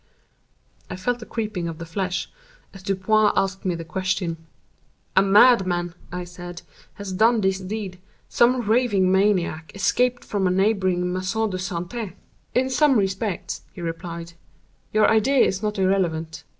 I felt a creeping of the flesh as Dupin asked me the question. "A madman," I said, "has done this deed—some raving maniac, escaped from a neighboring Maison de Santé." "In some respects," he replied, "your idea is not irrelevant.